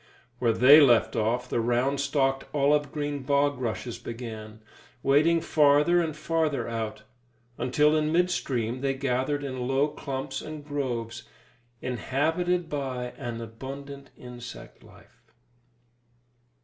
Where they left off, the round stalked olive green bog rushes began, wading farther and farther out, until in midstream they gathered in low clumps and groves, inhabited by an abundant insect life.